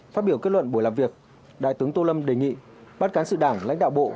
phát biểu kết luận buổi làm việc đại tướng tô lâm đề nghị ban cán sự đảng lãnh đạo bộ